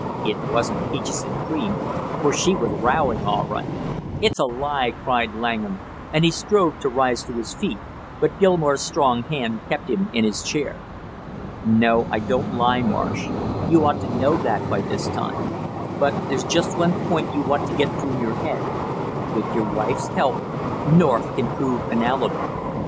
It wasn't peaches and cream, for she was rowing all right!" "It's a lie!" cried Langham, and he strove to rise to his feet, but Gilmore's strong hand kept him in his chair. "No, I don't lie, Marsh, you ought to know that by this time; but there's just one point you want to get through your head; with your wife's help North can prove an alibi.